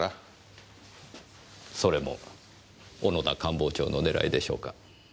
それも小野田官房長の狙いでしょうか？